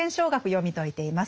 読み解いています。